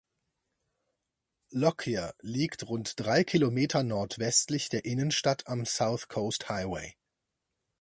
Lockyer liegt rund drei Kilometer nordwestlich der Innenstadt am South Coast Highway.